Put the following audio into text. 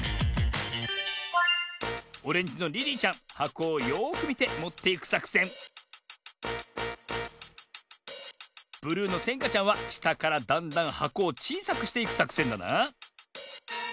オレンジのリリーちゃんはこをよくみてもっていくさくせんブルーのせんかちゃんはしたからだんだんはこをちいさくしていくさくせんだな。